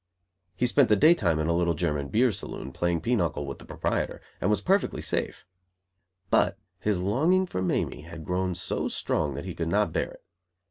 He spent the daytime in a little German beer saloon, playing pinocle with the proprietor; and was perfectly safe. But his longing for Mamie had grown so strong that he could not bear it.